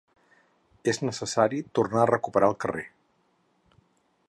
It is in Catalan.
És necessari tornar a recuperar el carrer.